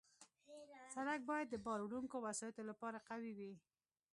سړک باید د بار وړونکو وسایطو لپاره قوي وي.